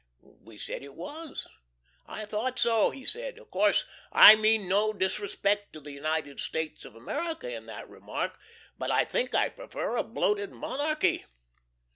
We said it was. "I thought so," he said. "Of course I mean no disrespect to the United States of America in the remark, but I think I prefer a bloated monarchy!"